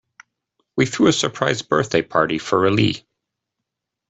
We threw a surprise birthday party for Ali.